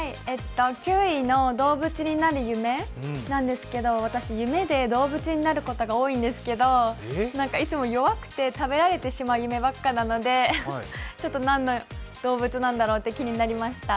９位の動物になる夢なんですけど私、夢で動物になることが多いんですけどいつも弱くて、食べられてしまう夢ばっかなのでちょっとなんの動物なんだろうって気になりました。